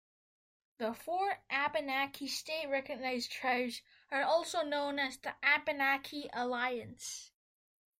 The four Abenaki state-recognized tribes are also known as the Abenaki Alliance.